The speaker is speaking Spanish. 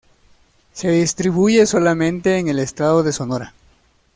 Se distribuye solamente en el estado de Sonora.